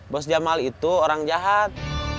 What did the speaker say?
bos jamal itu orang jahat